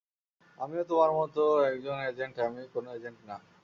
আমিও তোমার মতো একজন এজেন্ট আমি কোনো এজেন্ট না।